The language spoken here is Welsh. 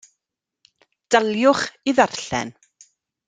Daliwch i ddarllen.